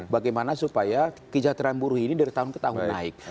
bagaimana supaya kesejahteraan buruh ini dari tahun ke tahun naik